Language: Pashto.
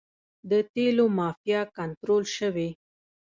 د تیلو مافیا کنټرول شوې؟